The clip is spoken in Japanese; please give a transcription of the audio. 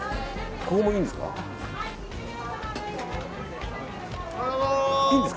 これもいいんですか。